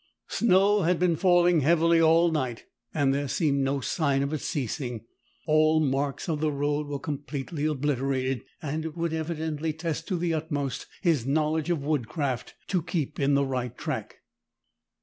Snow had been falling heavily all night, and there seemed no sign of its ceasing. All marks of the road were completely obliterated, and it would evidently test to the utmost his knowledge of woodcraft to keep in the right track.